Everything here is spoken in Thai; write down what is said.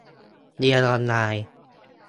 - เรียนออนไลน์